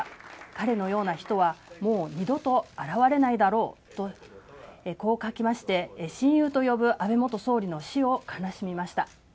彼のような人はもう二度と現れないだろうとこう書きまして親友と呼ぶ安倍元総理の死を悲しみました。